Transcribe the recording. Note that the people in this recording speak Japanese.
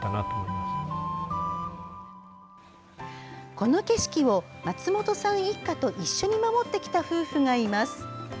この景色を松本さん一家と一緒に守ってきた夫婦がいます。